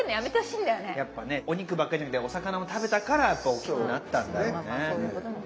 やっぱねお肉ばっかじゃなくてお魚も食べたからおっきくなったんだろうね。